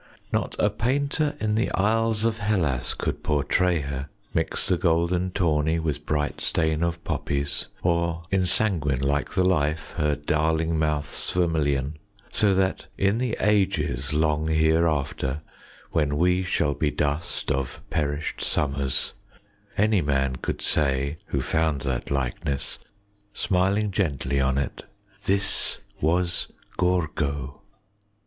Not a painter in the Isles of Hellas 25 Could portray her, mix the golden tawny With bright stain of poppies, or ensanguine Like the life her darling mouth's vermilion, So that, in the ages long hereafter, When we shall be dust of perished summers, 30 Any man could say who found that likeness, Smiling gently on it, "This was Gorgo!"